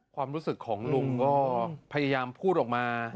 ความรู้สึกของลุงก็พยายามพูดออกมา